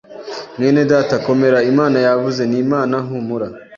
Mwenedata komera, Imana yavuze ni Imana humura